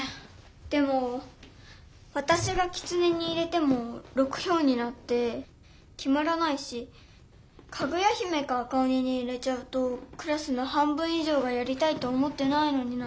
でもわたしが「きつね」に入れても６ひょうになってきまらないし「かぐや姫」か「赤おに」に入れちゃうとクラスの半分いじょうがやりたいと思ってないのになっちゃうし。